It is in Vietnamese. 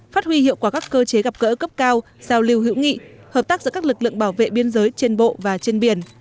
phát huy hiệu quả các cơ chế gặp gỡ cấp cao giao lưu hữu nghị hợp tác giữa các lực lượng bảo vệ biên giới trên bộ và trên biển